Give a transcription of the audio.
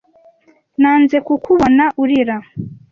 Nanze kukubona urira,